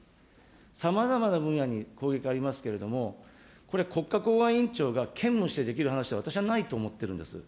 さまざまな分野に攻撃ありますけれども、これ、国家公安委員長が兼務している話では私はないと思ってるんです。